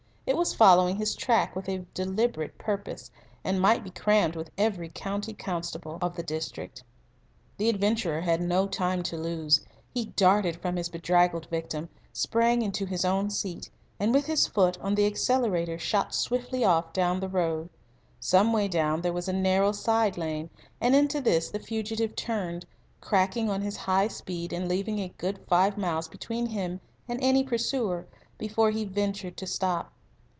It was following his track with a deliberate purpose, and might be crammed with every county constable of the district. The adventurer had no time to lose. He darted from his bedraggled victim, sprang into his own seat, and with his foot on the accelerator shot swiftly off down the road. Some way down there was a narrow side lane, and into this the fugitive turned, cracking on his high speed and leaving a good five miles between him and any pursuer before he ventured to stop.